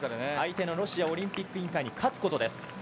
相手のロシアオリンピック委員会に勝つことです。